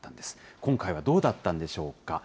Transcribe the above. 今回はどうだったんでしょうか。